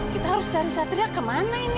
kita harus cari satria kemana ini